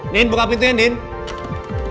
nini buka pintunya nini